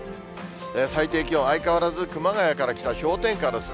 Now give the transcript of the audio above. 最低気温、相変わらず熊谷から北、氷点下ですね。